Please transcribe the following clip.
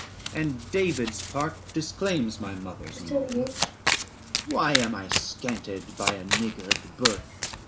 And David's part disdains my mother's mould. Why am I scanted by a niggard birth?